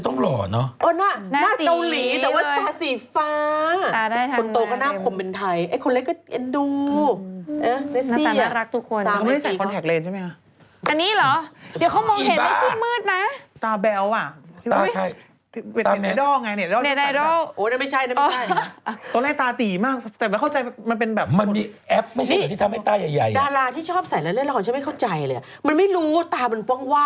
ตอนแรกไม่มีอะไรเกิดขึ้นพอใส่แบ๊วแล้ว